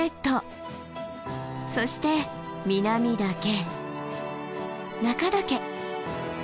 そして南岳中岳！